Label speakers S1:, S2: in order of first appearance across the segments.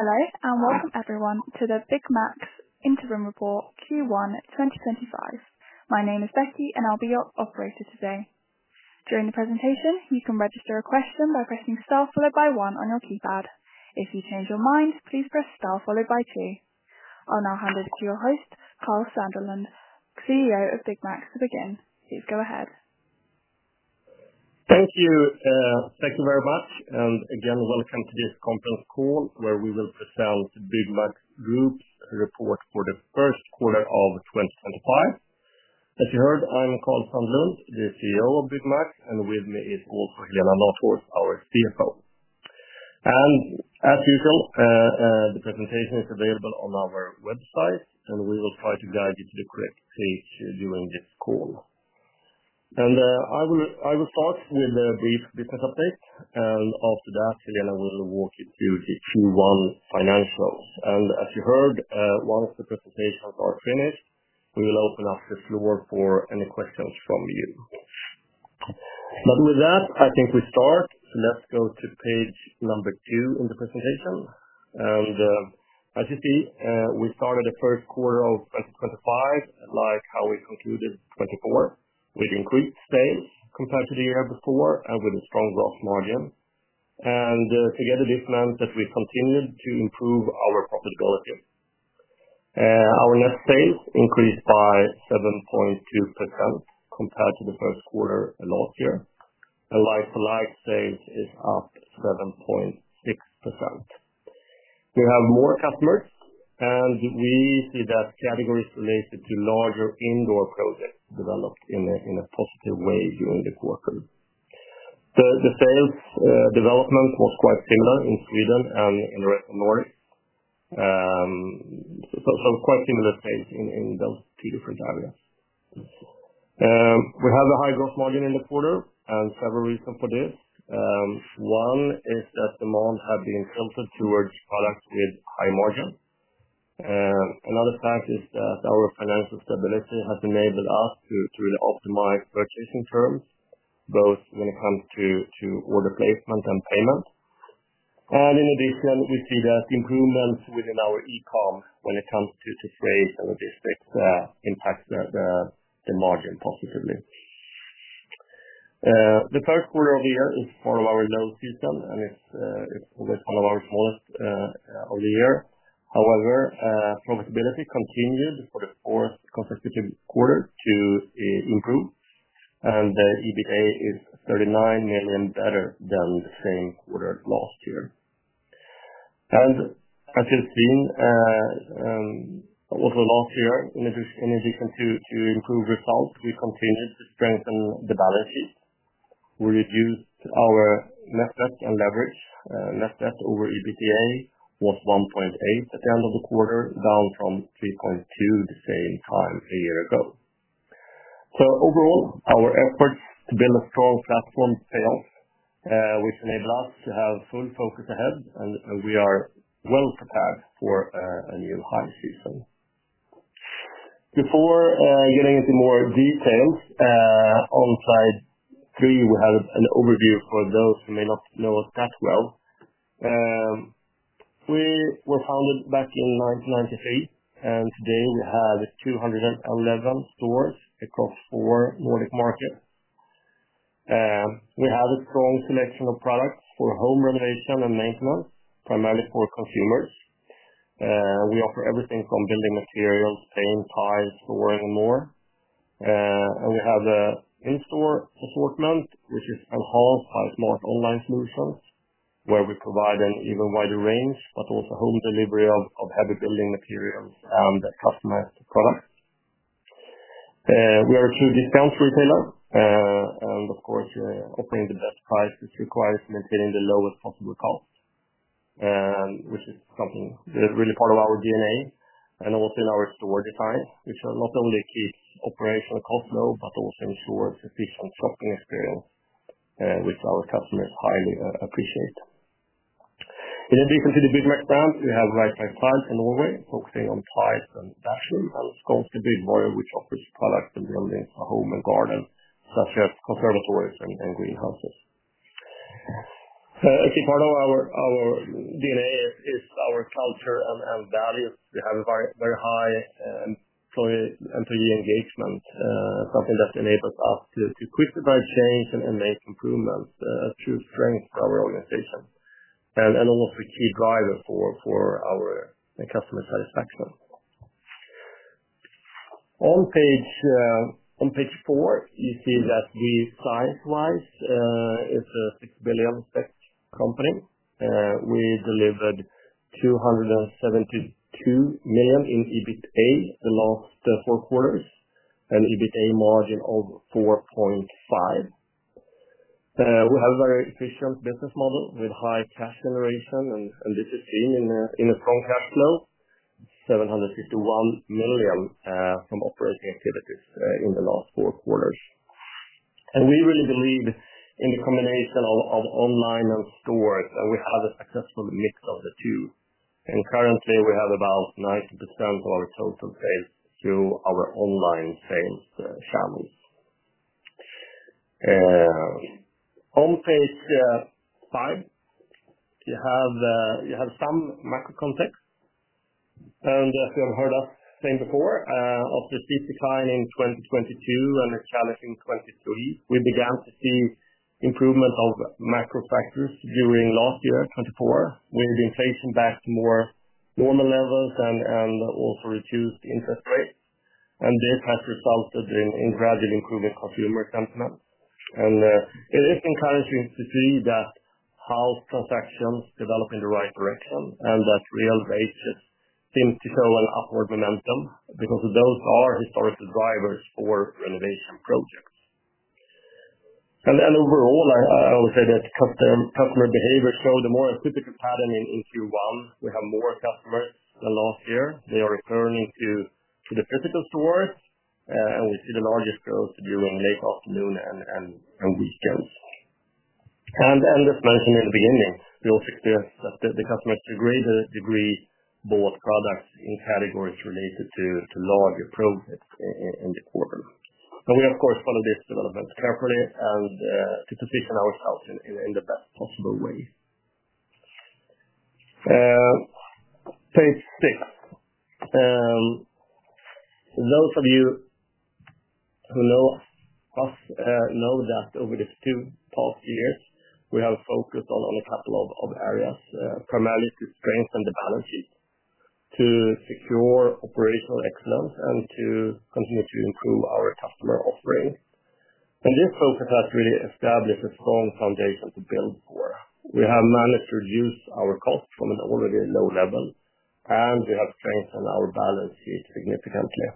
S1: Hello and welcome everyone to the Byggmax Interim Report Q1 2025. My name is Becky, and I'll be your operator today. During the presentation, you can register a question by pressing star followed by one on your keypad. If you change your mind, please press star followed by two. I'll now hand over to your host, Karl Sandlund, CEO of Byggmax, to begin. Please go ahead.
S2: Thank you, thank you very much. Again, welcome to this conference call where we will present the Byggmax Group's report for the first quarter of 2025. As you heard, I'm Karl Sandlund, the CEO of Byggmax, and with me is also Helena Nathhorst, our CFO. As usual, the presentation is available on our website, and we will try to guide you to the correct page during this call. I will start with a brief business update, and after that, Helena will walk you through the Q1 financials. As you heard, once the presentations are finished, we will open up the floor for any questions from you. With that, I think we start. Let's go to page number two in the presentation. As you see, we started the first quarter of 2025 like how we concluded 2024, with increased sales compared to the year before and with a strong gross margin. Together, this meant that we continued to improve our profitability. Our net sales increased by 7.2% compared to the first quarter last year, and like for like sales is up 7.6%. We have more customers, and we see that categories related to larger indoor projects developed in a positive way during the quarter. The sales development was quite similar in Sweden and in the rest of Norway, so quite similar sales in those two different areas. We have a high gross margin in the quarter, and several reasons for this. One is that demand had been filtered towards products with high margin. Another fact is that our financial stability has enabled us to really optimize purchasing terms, both when it comes to order placement and payment. In addition, we see that improvements within our e-comm when it comes to freight and logistics impact the margin positively. The first quarter of the year is part of our low season, and it is always one of our smallest of the year. However, profitability continued for the fourth consecutive quarter to improve, and the EBITDA is 39 million better than the same quarter last year. As you have seen also last year, in addition to improved results, we continued to strengthen the balance sheet. We reduced our net debt and leverage. Net debt over EBITDA was 1.8 at the end of the quarter, down from 3.2 the same time a year ago. Overall, our efforts to build a strong platform paid off, which enabled us to have full focus ahead, and we are well prepared for a new high season. Before getting into more details, on slide three, we had an overview for those who may not know us that well. We were founded back in 1993, and today we have 211 stores across four Nordic markets. We have a strong selection of products for home renovation and maintenance, primarily for consumers. We offer everything from building materials, paint, tiles, flooring, and more. We have an in-store assortment, which is enhanced by smart online solutions, where we provide an even wider range, but also home delivery of heavy building materials and customized products. We are a true discount retailer, and of course, offering the best prices requires maintaining the lowest possible cost, which is something that's really part of our DNA. Also in our store design, which not only keeps operational costs low, but also ensures efficient shopping experience, which our customers highly appreciate. In addition to the Byggmax brand, we have Right Price Tiles in Norway, focusing on tiles and bathrooms, and Skånska Byggvaror, which offers products, such as conservatories and greenhouses. Actually, part of our DNA is our culture and values. We have a very, very high employee engagement, something that enables us to quickly drive change and make improvements, true strength for our organization and also a key driver for our customer satisfaction. On page four, you see that we size-wise, is a 6 billion company. We delivered 272 million in EBITDA the last four quarters and EBITDA margin of 4.5%. We have a very efficient business model with high cash generation, and this is seen in a strong cash flow, 751 million, from operating activities, in the last four quarters. We really believe in the combination of online and stores, and we have a successful mix of the two. Currently, we have about 90% of our total sales through our online sales channels. On page five, you have some macro context. As you have heard us saying before, after a steep decline in 2022 and a challenge in 2023, we began to see improvement of macro factors during last year, 2024, with inflation back to more normal levels and also reduced interest rates. This has resulted in gradual improvement in consumer sentiment. It is encouraging to see that house transactions develop in the right direction and that real rates just seem to show an upward momentum because those are historical drivers for renovation projects. Overall, I always say that customer behavior showed a more typical pattern in Q1. We have more customers than last year. They are returning to the physical stores, and we see the largest growth during late afternoon and weekends. As mentioned in the beginning, we also experienced that the customers to a greater degree bought products in categories related to larger projects in the quarter. We, of course, followed this development carefully to position ourselves in the best possible way. Page six. Those of you who know us know that over these two past years, we have focused on a couple of areas, primarily to strengthen the balance sheet, to secure operational excellence, and to continue to improve our customer offering. This focus has really established a strong foundation to build for. We have managed to reduce our costs from an already low level, and we have strengthened our balance sheet significantly.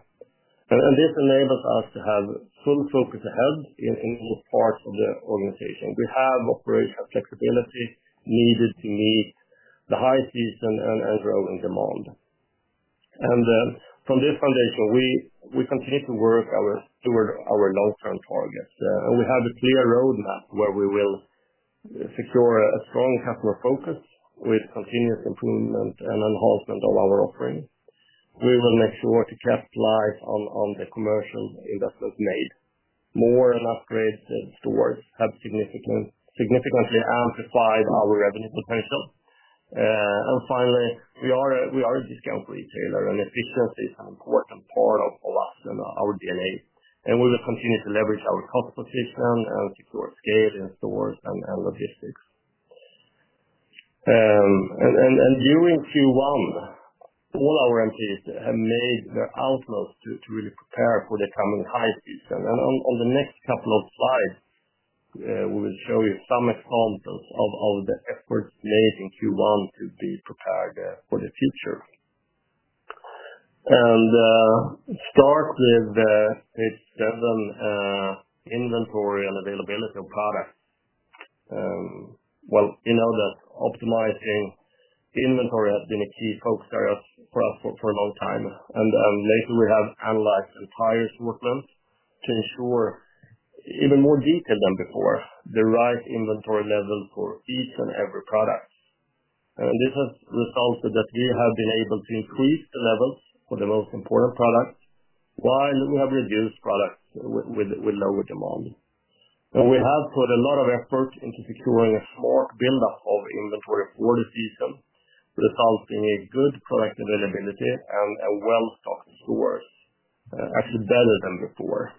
S2: This enables us to have full focus ahead in all parts of the organization. We have operational flexibility needed to meet the high season and growing demand. From this foundation, we continue to work toward our long-term targets. We have a clear roadmap where we will secure a strong customer focus with continuous improvement and enhancement of our offering. We will make sure to capitalize on the commercial investments made. More and upgraded stores have significantly amplified our revenue potential. Finally, we are a discount retailer, and efficiency is an important part of us and our DNA. We will continue to leverage our cost position and secure scale in stores and logistics. During Q1, all our employees have made their outlooks to really prepare for the coming high season. On the next couple of slides, we will show you some examples of the efforts made in Q1 to be prepared for the future. Start with page seven, inventory and availability of products. You know that optimizing inventory has been a key focus area for us for a long time. Later, we have analyzed entire assortments to ensure even more detail than before, the right inventory level for each and every product. This has resulted that we have been able to increase the levels for the most important products while we have reduced products with lower demand. We have put a lot of effort into securing a smart buildup of inventory for the season, resulting in good product availability and well-stocked stores, actually better than before.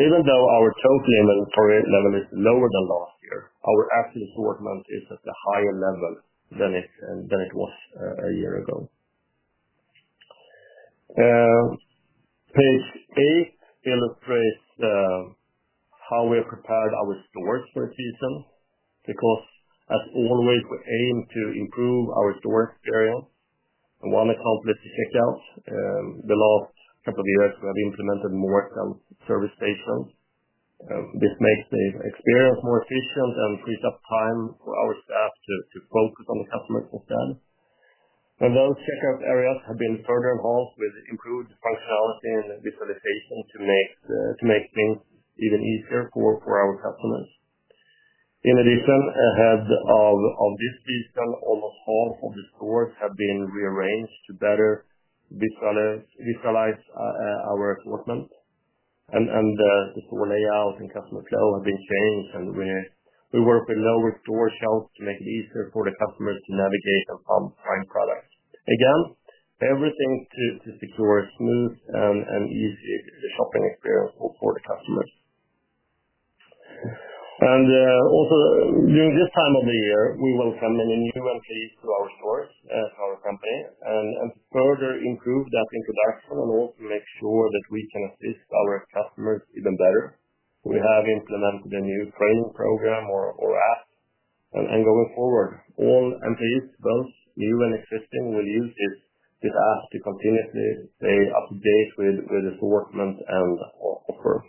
S2: Even though our total inventory level is lower than last year, our actual assortment is at a higher level than it was a year ago. Page eight illustrates how we have prepared our stores for the season because, as always, we aim to improve our store experience. We want to accomplish the checkout. The last couple of years, we have implemented more self-service stations. This makes the experience more efficient and frees up time for our staff to focus on the customers instead. Those checkout areas have been further enhanced with improved functionality and visualization to make things even easier for our customers. In addition, ahead of this season, almost half of the stores have been rearranged to better visualize our assortment. The store layout and customer flow have been changed, and we work with lower store shelves to make it easier for the customers to navigate and find products. Again, everything to secure a smooth and easy shopping experience for the customers. Also during this time of the year, we welcome any new employees to our stores, to our company. To further improve that introduction and also make sure that we can assist our customers even better, we have implemented a new training program or app. Going forward, all employees, both new and existing, will use this app to continuously stay up to date with assortment and offer.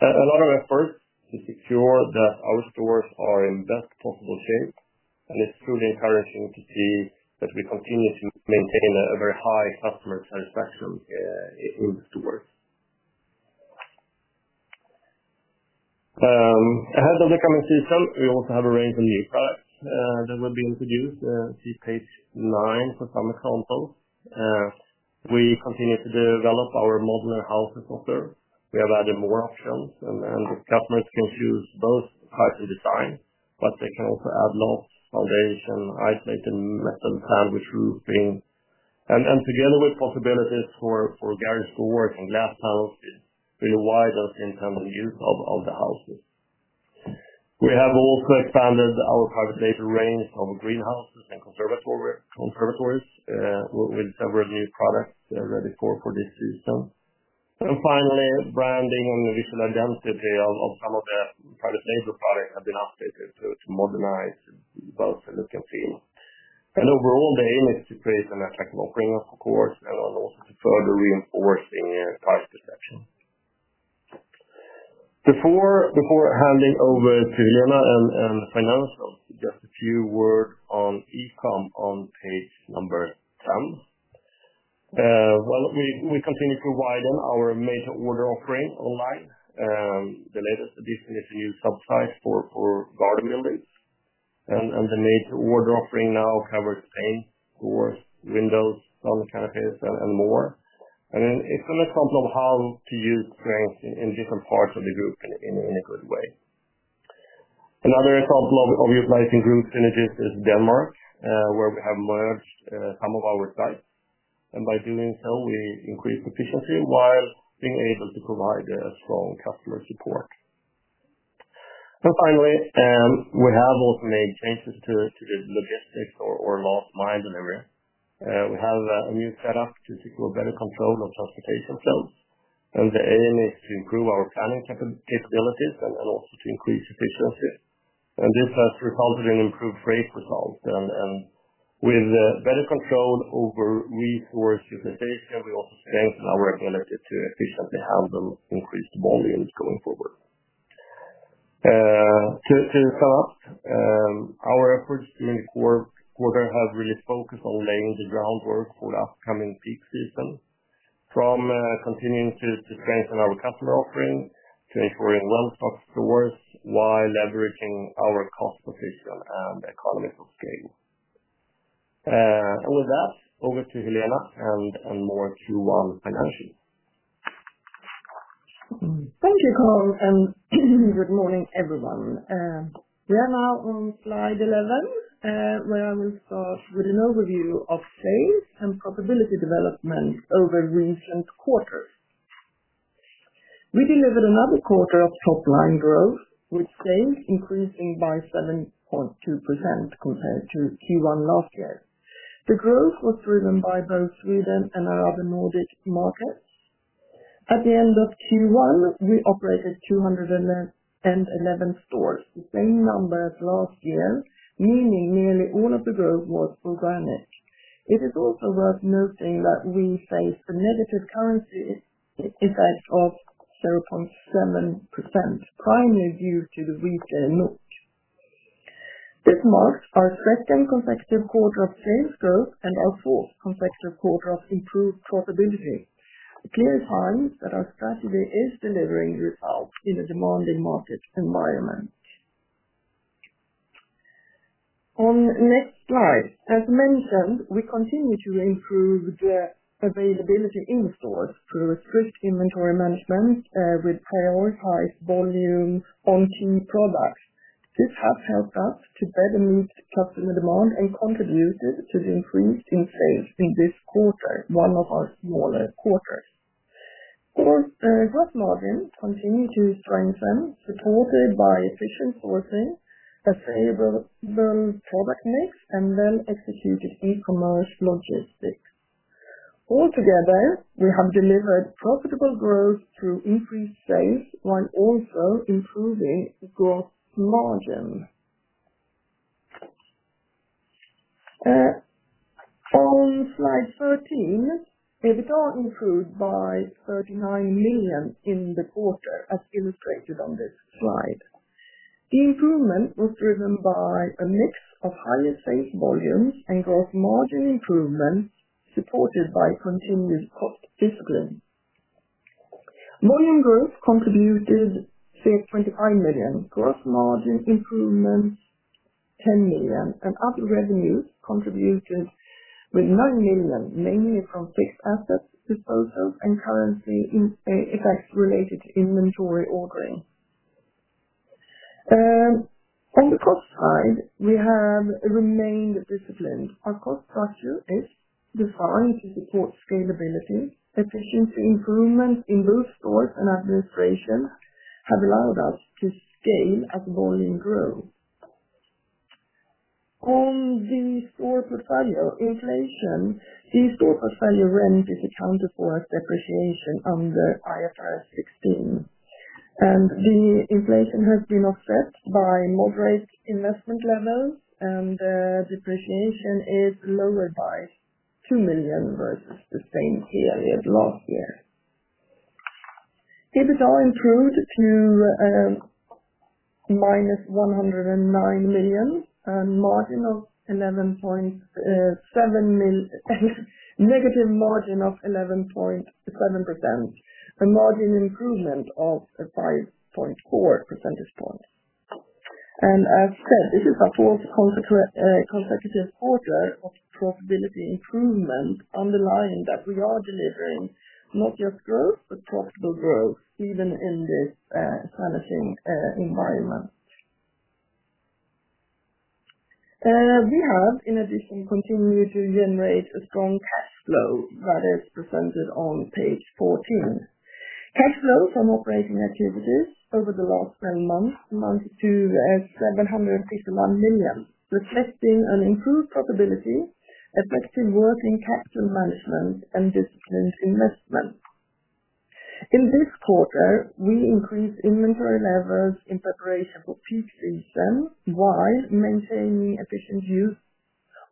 S2: A lot of efforts to secure that our stores are in best possible shape. It is truly encouraging to see that we continue to maintain a very high customer satisfaction in the stores. Ahead of the coming season, we also have a range of new products that will be introduced. See page nine for some examples. We continue to develop our modular houses software. We have added more options, and customers can choose both types of design, but they can also add lofts, foundation, isolated metal sandwich roofing. Together with possibilities for garage doors and glass panels, it really widens the intended use of the houses. We have also expanded our private label range of greenhouses and conservatories, with several new products ready for this season. Finally, branding and visual identity of some of the private label products have been updated to modernize both look and feel. Overall, the aim is to create an attractive offering, of course, and also to further reinforce the price perception. Before handing over to Helena and financially, just a few words on e-comm on page number 10. We continue to widen our made-to-order offering online. The latest addition is a new subtype for garden buildings. The made-to-order offering now covers paint, doors, windows, sun canopies, and more. It is an example of how to use strength in different parts of the group in a good way. Another example of utilizing group synergies is Denmark, where we have merged some of our sites. By doing so, we increase efficiency while being able to provide strong customer support. Finally, we have also made changes to the logistics or last mile delivery. We have a new setup to secure better control of transportation flows. The aim is to improve our planning capabilities and also to increase efficiency. This has resulted in improved freight results. With better control over resource utilization, we also strengthen our ability to efficiently handle increased volumes going forward. To sum up, our efforts during the quarter have really focused on laying the groundwork for the upcoming peak season, from continuing to strengthen our customer offering to ensuring well-stocked stores while leveraging our cost position and economies of scale. With that, over to Helena and more Q1 financially.
S3: Thank you, Karl. Good morning, everyone. We are now on slide 11, where I will start with an overview of sales and profitability development over recent quarters. We delivered another quarter of top-line growth, with sales increasing by 7.2% compared to Q1 last year. The growth was driven by both Sweden and our other Nordic markets. At the end of Q1, we operated 211 stores, the same number as last year, meaning nearly all of the growth was organic. It is also worth noting that we faced the negative currency effect of 0.7%, primarily due to the rate in NOK. This marked our second consecutive quarter of sales growth and our fourth consecutive quarter of improved profitability, a clear sign that our strategy is delivering results in a demanding market environment. On next slide, as mentioned, we continue to improve the availability in stores through strict inventory management, with prioritized volume on key products. This has helped us to better meet customer demand and contributed to the increase in sales in this quarter, one of our smaller quarters. Of course, gross margin continued to strengthen, supported by efficient sourcing, a favorable product mix, and well-executed e-commerce logistics. Altogether, we have delivered profitable growth through increased sales while also improving gross margin. On slide 13, EBITDA improved by 39 million in the quarter, as illustrated on this slide. The improvement was driven by a mix of higher sales volumes and gross margin improvement supported by continued cost discipline. Volume growth contributed 25 million, gross margin improvement 10 million, and other revenues contributed with 9 million, mainly from fixed assets, disposals, and currency effects related to inventory ordering. On the cost side, we have remained disciplined. Our cost structure is defined to support scalability. Efficiency improvements in both stores and administration have allowed us to scale as volume grows. On the store portfolio inflation, the store portfolio rent is accounted for as depreciation under IFRS 16. The inflation has been offset by moderate investment levels, and the depreciation is lower by 2 million versus the same period last year. EBITDA improved to minus SEK 109 million and negative margin of 11.7%, a margin improvement of 5.4 percentage points. As said, this is our fourth consecutive quarter of profitability improvement, underlining that we are delivering not just growth, but profitable growth, even in this challenging environment. We have, in addition, continued to generate a strong cash flow that is presented on page 14. Cash flow from operating activities over the last 12 months amounted to 751 million, reflecting an improved profitability, effective working capital management, and disciplined investment. In this quarter, we increased inventory levels in preparation for peak season while maintaining efficient use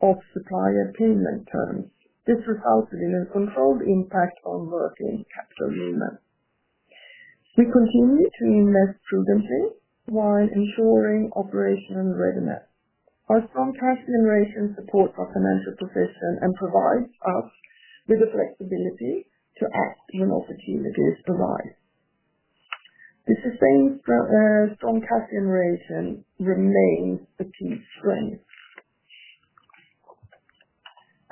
S3: of supplier payment terms. This resulted in a controlled impact on working capital movement. We continue to invest prudently while ensuring operational readiness. Our strong cash generation supports our financial position and provides us with the flexibility to act when opportunities arise. The sustained, strong cash generation remains a key strength.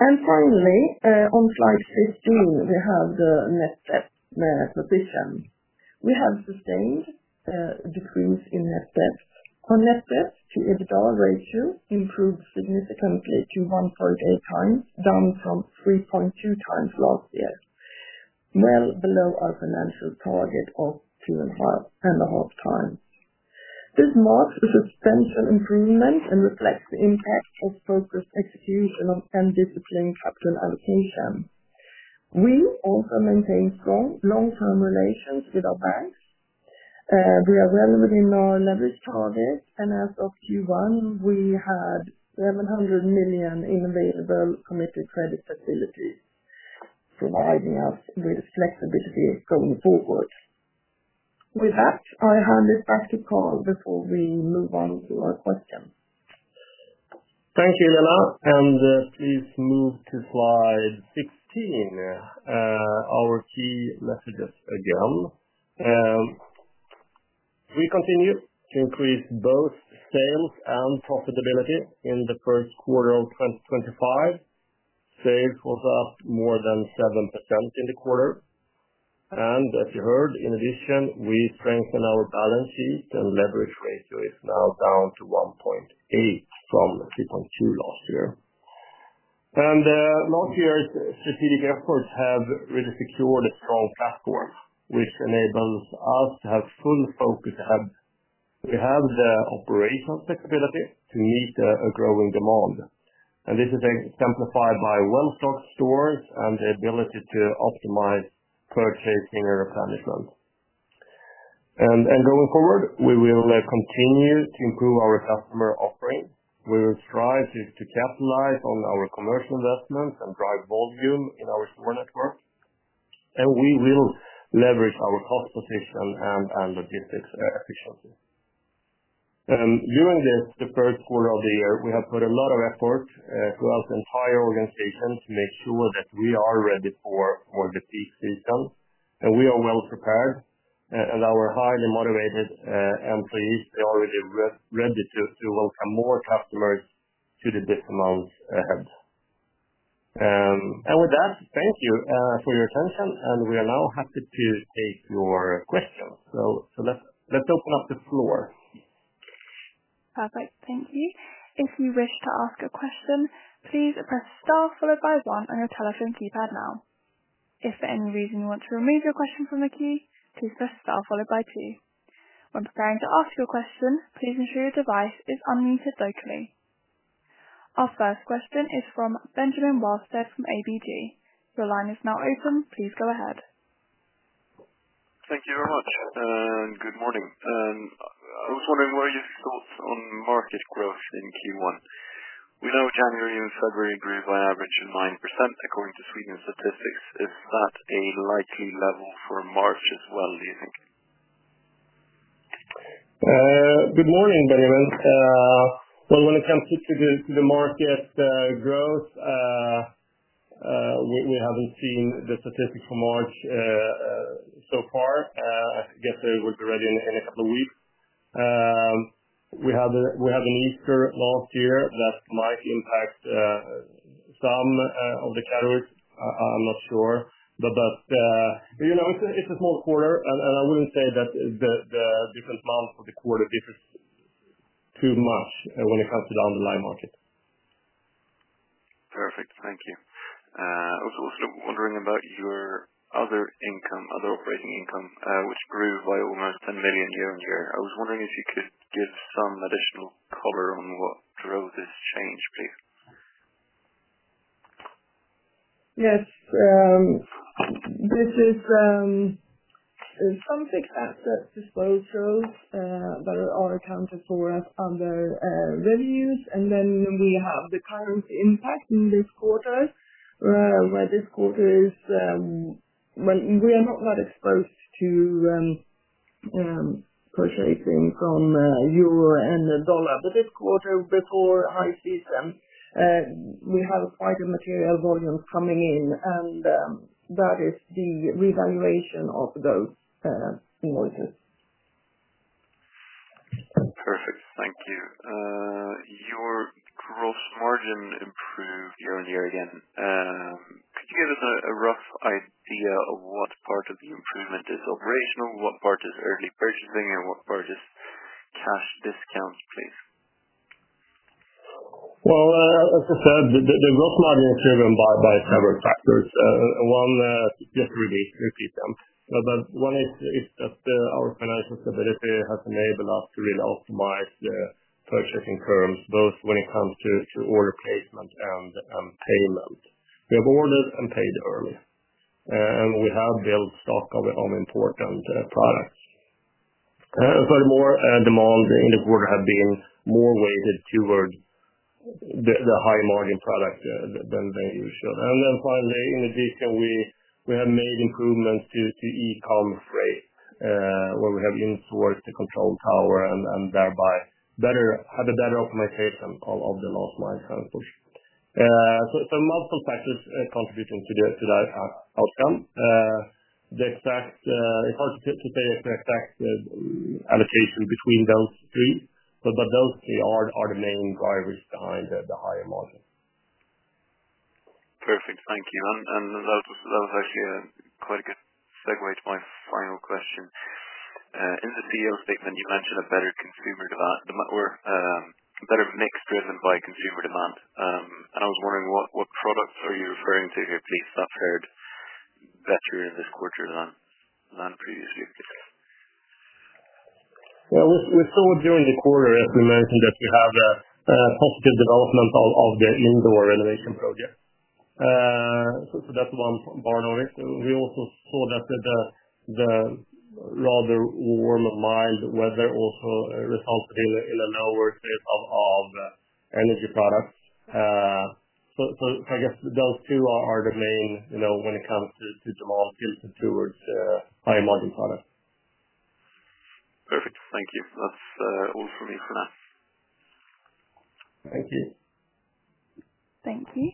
S3: Finally, on slide 15, we have the net debt position. We have sustained decrease in net debt. Our net debt to EBITDA ratio improved significantly to 1.8x, down from 3.2x last year, well below our financial target of 2.5x. This marks a substantial improvement and reflects the impact of focused execution and disciplined capital allocation. We also maintain strong long-term relations with our banks. We are well within our leverage target. As of Q1, we had 700 million in available committed credit facilities, providing us with flexibility going forward. With that, I hand it back to Karl before we move on to our questions.
S2: Thank you, Helena. Please move to slide 16, our key messages again. We continue to increase both sales and profitability in the first quarter of 2025. Sales was up more than 7% in the quarter. As you heard, in addition, we strengthened our balance sheet, and leverage ratio is now down to 1.8 from 3.2 last year. Last year, strategic efforts have really secured a strong platform, which enables us to have full focus ahead. We have the operational flexibility to meet a growing demand. This is exemplified by well-stocked stores and the ability to optimize purchasing and replenishment. Going forward, we will continue to improve our customer offering. We will strive to capitalize on our commercial investments and drive volume in our store network. We will leverage our cost position and logistics efficiency. During this, the first quarter of the year, we have put a lot of effort throughout the entire organization to make sure that we are ready for the peak season. We are well prepared, and our highly motivated employees, they are already ready to welcome more customers to the discounts ahead. With that, thank you for your attention. We are now happy to take your questions. Let's open up the floor.
S1: Perfect. Thank you. If you wish to ask a question, please press star followed by one on your telephone keypad now. If for any reason you want to remove your question from the queue, please press star followed by two. When preparing to ask your question, please ensure your device is unmuted locally. Our first question is from Benjamin Wahlstedt from ABG. Your line is now open. Please go ahead.
S4: Thank you very much. Good morning. I was wondering, what are your thoughts on market growth in Q1? We know January and February grew by an average of 9%, according to Sweden's statistics. Is that a likely level for March as well, do you think?
S2: Good morning, Benjamin. When it comes to the market growth, we haven't seen the statistics for March so far. I guess it will be ready in a couple of weeks. We had an Easter last year that might impact some of the categories. I'm not sure. You know, it's a small quarter. I wouldn't say that the different months of the quarter differ too much when it comes to the underlying market.
S4: Perfect. Thank you. I was also wondering about your other income, other operating income, which grew by almost 10 million year-on-year. I was wondering if you could give some additional color on what drove this change, please.
S3: Yes. This is some fixed asset disposals that are accounted for as under revenues. Then we have the current impact in this quarter, where this quarter is, we are not that exposed to purchasing from euro and dollar. This quarter, before high season, we have quite a material volume coming in. That is the revaluation of those invoices.
S4: Perfect. Thank you. Your gross margin improved year-on-year again. Could you give us a rough idea of what part of the improvement is operational, what part is early purchasing, and what part is cash discounts, please?
S2: As I said, the gross margin is driven by several factors. One, just to repeat them. One is that our financial stability has enabled us to really optimize the purchasing terms, both when it comes to order placement and payment. We have ordered and paid early, and we have built stock of our own important products. Furthermore, demand in the quarter has been more weighted towards the high-margin product than usual. Finally, in addition, we have made improvements to e-commerce rate, where we have insourced the control tower and thereby have a better optimization of the last mile transfers. Multiple factors are contributing to that outcome. The exact, it's hard to say the exact allocation between those three. Those three are the main drivers behind the higher margin.
S4: Perfect. Thank you. That was actually quite a good segue to my final question. In the CEO statement, you mentioned a better consumer demand or a better mix driven by consumer demand. I was wondering what products are you referring to here, please? That has heard better in this quarter than previously, please.
S2: We're still during the quarter, as we mentioned, that we have a positive development of the indoor renovation project. That's one part of it. We also saw that the rather warm and mild weather also resulted in a lower sales of energy products. I guess those two are the main, you know, when it comes to demand tilted towards high-margin products.
S4: Perfect. Thank you. That's all from me for now.
S2: Thank you.
S1: Thank you.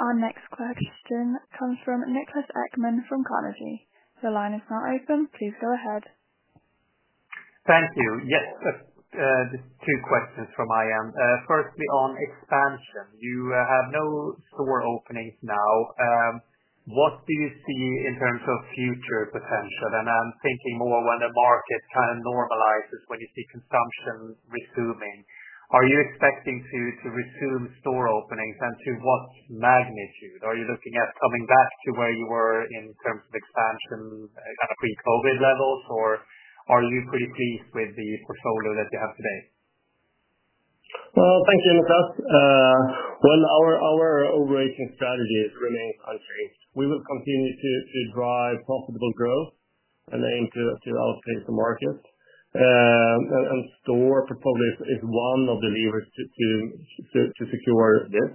S1: Our next question comes from Niklas Ekman from Carnegie. The line is now open. Please go ahead.
S5: Thank you. Yes. Just two questions from [Ian] Firstly on expansion. You have no store openings now. What do you see in terms of future potential? I'm thinking more when the market kind of normalizes, when you see consumption resuming. Are you expecting to resume store openings and to what magnitude? Are you looking at coming back to where you were in terms of expansion, kind of pre-COVID levels, or are you pretty pleased with the portfolio that you have today?
S2: Thank you, Niklas. Our operating strategies remain unchanged. We will continue to drive profitable growth and aim to outpace the market. Store probably is one of the levers to secure this.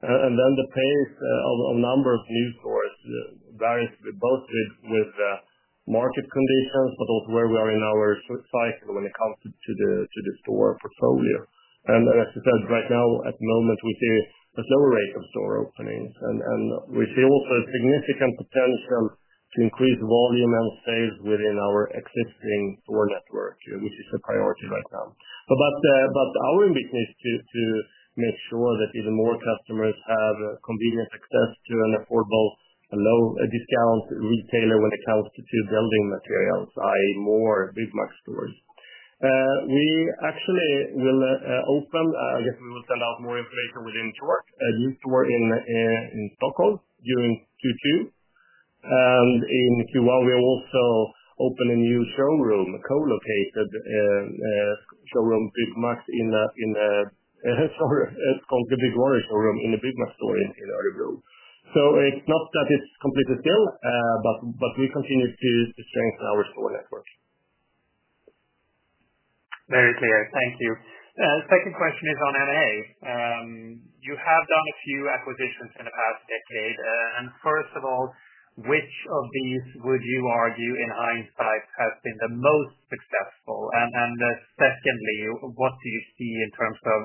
S2: The pace of number of new stores varies both with market conditions, but also where we are in our cycle when it comes to the store portfolio. As I said, right now, at the moment, we see a slower rate of store openings. We see also a significant potential to increase volume and sales within our existing store network, which is a priority right now. Our ambition is to make sure that even more customers have convenient access to an affordable, a low, a discount retailer when it comes to building materials, i.e., more Byggmax stores. We actually will open, I guess we will send out more information within short, a new store in Stockholm during Q2. In Q1, we are also opening a new showroom, a co-located showroom, Byggmax in a, in a, sorry, it's called the Skånska Byggvaror Showroom in the Byggmax store in Örebro. It is not that it is completely still, but we continue to strengthen our store network.
S5: Very clear. Thank you. Second question is on M&A. You have done a few acquisitions in the past decade. First of all, which of these would you argue, in hindsight, has been the most successful? Secondly, what do you see in terms of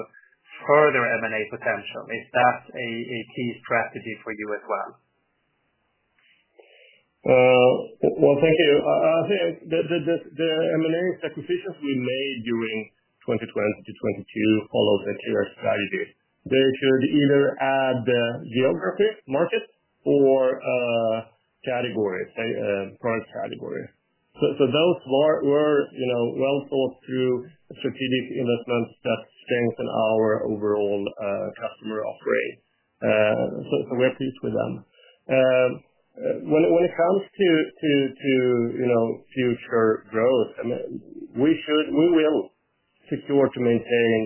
S5: further M&A potential? Is that a key strategy for you as well?
S2: Thank you. I think the M&A acquisitions we made during 2020 to 2022 followed a clear strategy. They should either add the geography, market, or categories, product categories. Those were, you know, well thought through strategic investments that strengthen our overall customer offering. We are pleased with them. When it comes to, you know, future growth, I mean, we will secure to maintain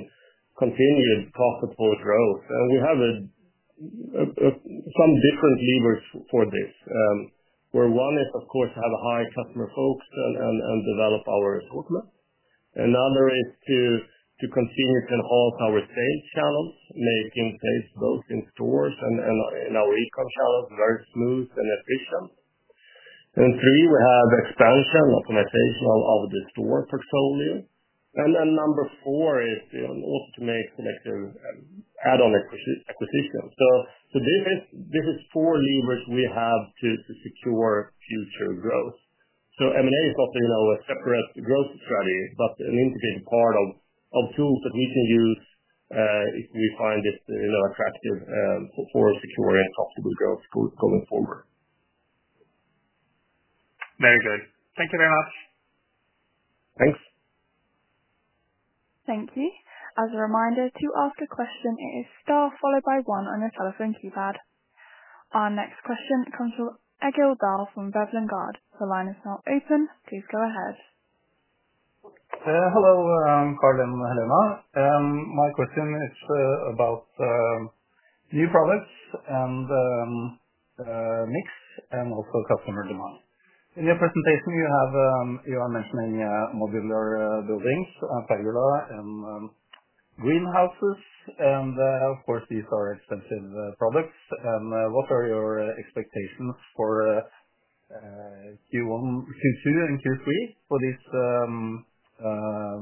S2: continued profitable growth. We have some different levers for this, where one is, of course, to have a high customer focus and develop our resource map. Another is to continue to enhance our sales channels, making sales both in stores and in our e-com channels very smooth and efficient. Three, we have expansion, optimization of the store portfolio. Number four is, you know, also to make selective add-on acquisitions. This is four levers we have to secure future growth. M&A is not, you know, a separate growth strategy, but an integrated part of tools that we can use, if we find it, you know, attractive, for securing profitable growth going forward.
S5: Very good. Thank you very much.
S2: Thanks.
S1: Thank you. As a reminder, to ask a question, it is star followed by one on your telephone keypad. Our next question comes from Egil Dahl from Vevlen Gård. The line is now open. Please go ahead.
S6: Hello. Karl and Helena. My question is, about new products and mix and also customer demand. In your presentation, you have, you are mentioning, modular buildings, pergola and greenhouses. Of course, these are expensive products. What are your expectations for Q1, Q2, and Q3 for these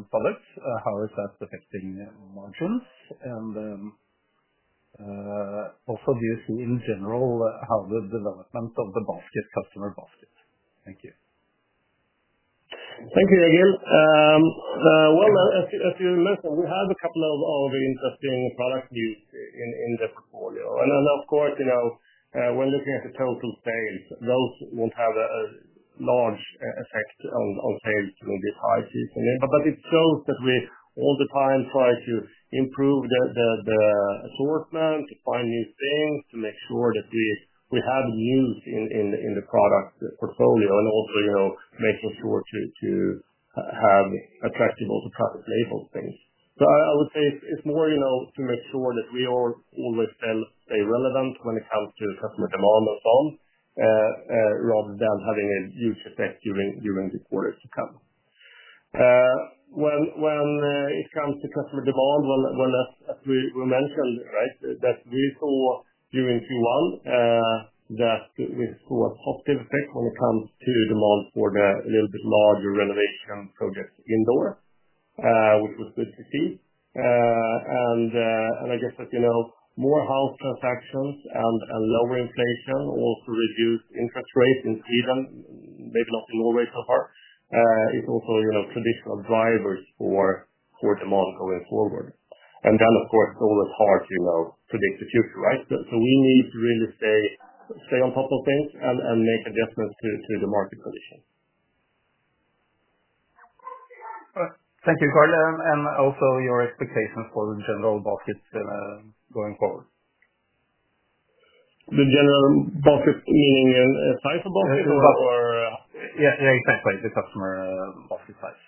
S6: products? How is that affecting margins? Also, do you see in general how the development of the basket, customer basket? Thank you.
S2: Thank you, Egil. As you mentioned, we have a couple of interesting products used in the portfolio. Of course, you know, when looking at the total sales, those will not have a large effect on sales during this high season. It shows that we all the time try to improve the assortment, to find new things, to make sure that we have news in the product portfolio, and also, you know, making sure to have attractive also private label things. I would say it is more, you know, to make sure that we always stay relevant when it comes to customer demand and so on, rather than having a huge effect during the quarter to come. When it comes to customer demand, as we mentioned, right, we saw during Q1 that we saw a positive effect when it comes to demand for the a little bit larger renovation projects indoor, which was good to see. I guess that, you know, more house transactions and lower inflation also reduced interest rates in Sweden, maybe not in Norway so far. It's also, you know, traditional drivers for demand going forward. Of course, it's always hard, you know, predict the future, right? We need to really stay on top of things and make adjustments to the market conditions.
S6: Thank you, Karl. And also your expectations for the general baskets, going forward.
S2: The general basket, meaning a size of basket or, or?
S6: Yeah, yeah, exactly. The customer, basket size.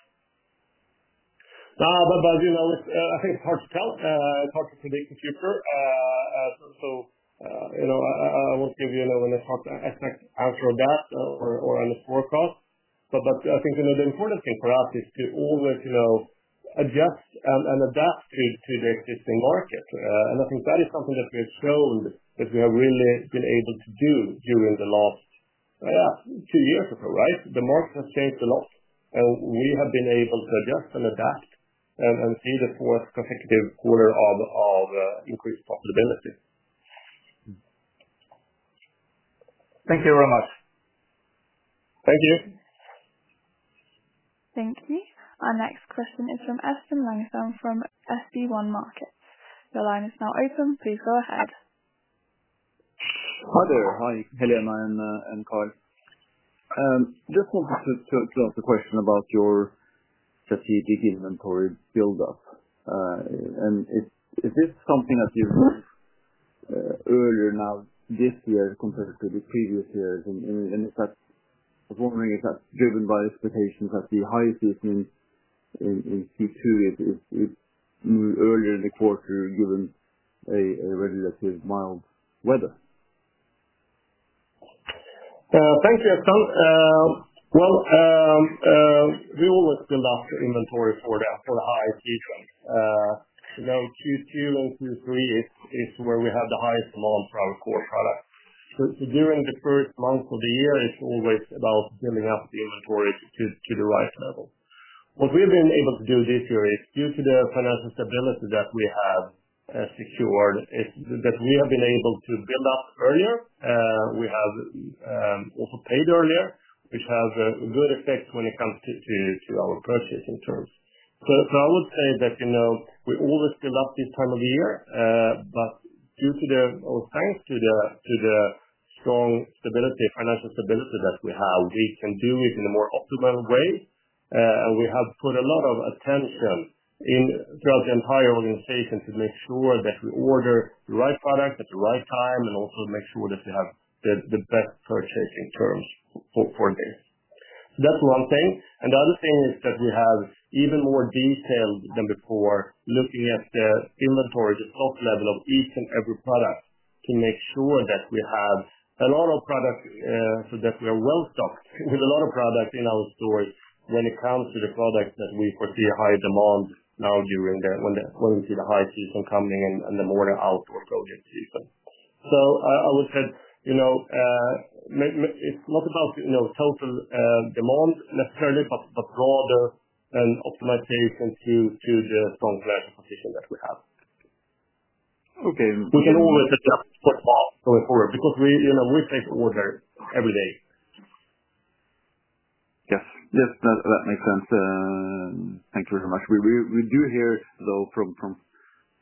S2: No, but, you know, I think it's hard to tell. It's hard to predict the future. So, you know, I won't give you, you know, an exact answer on that or on the forecast. But I think, you know, the important thing for us is to always, you know, adjust and adapt to the existing market. I think that is something that we have shown that we have really been able to do during the last two years or so, right? The market has changed a lot. We have been able to adjust and adapt and see the fourth consecutive quarter of increased profitability.
S6: Thank you very much.
S2: Thank you.
S1: Thank you. Our next question is from [Efthimios Langham] from SB1 Markets. Your line is now open. Please go ahead. Hi there. Hi, Helena, and Karl. I just wanted to ask a question about your strategic inventory buildup. Is this something that you've moved earlier now this year compared to previous years? I was wondering if that's driven by expectations that the high season in Q2 is moved earlier in the quarter given a relatively mild weather?
S2: Thank you [Efthimios] We always build up inventory for the high season. You know, Q2 and Q3 is where we have the highest demand for our core product. During the first months of the year, it's always about building up the inventory to the right level. What we've been able to do this year, due to the financial stability that we have secured, is that we have been able to build up earlier. We have also paid earlier, which has a good effect when it comes to our purchasing terms. I would say that, you know, we always build up this time of the year, but thanks to the strong financial stability that we have, we can do it in a more optimal way. We have put a lot of attention throughout the entire organization to make sure that we order the right product at the right time and also make sure that we have the best purchasing terms for this. That is one thing. The other thing is that we have even more detail than before looking at the inventory, the stock level of each and every product to make sure that we have a lot of product, so that we are well stocked with a lot of product in our stores when it comes to the product that we foresee a high demand now during the, when we see the high season coming and the more outdoor project season. I would say, you know, it's not about, you know, total demand necessarily, but broader and optimization to the strong financial position that we have. Okay. We can always adjust for going forward because we, you know, we take order every day. Yes. Yes. That makes sense. Thank you very much. We do hear, though,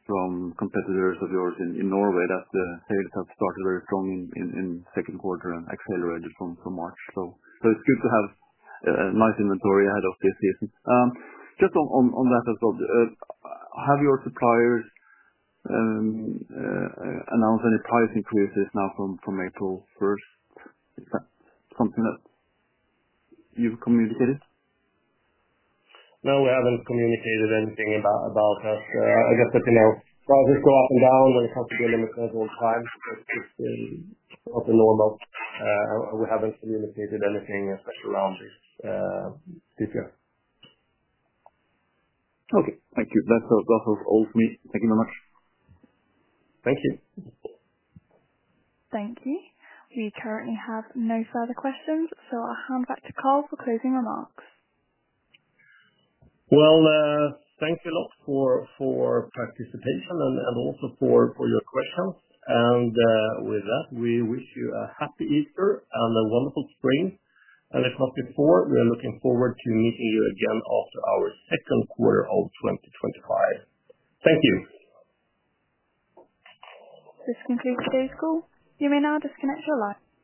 S2: from competitors of yours in Norway that the sales have started very strong in second quarter and accelerated from March. It is good to have a nice inventory ahead of this season. Just on that as well, have your suppliers announced any price increases now from April 1? Is that something that you've communicated? No, we haven't communicated anything about us. I guess that, you know, prices go up and down when it comes to being in the scheduled time, but it's not the normal. We haven't communicated anything especially around this year. Okay. Thank you. That has all to me. Thank you very much. Thank you.
S1: Thank you. We currently have no further questions, so I'll hand back to Karl for closing remarks.
S2: Thank you a lot for participation and also for your questions. With that, we wish you a happy Easter and a wonderful spring. If not before, we are looking forward to meeting you again after our second quarter of 2025. Thank you.
S1: This concludes today's call. You may now disconnect your line.